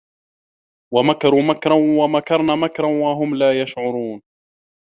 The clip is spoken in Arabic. وَمَكَروا مَكرًا وَمَكَرنا مَكرًا وَهُم لا يَشعُرونَ